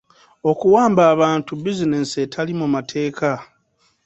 Okuwamba abantu bizinensi etali mu mateeka?